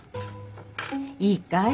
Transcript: いいかい？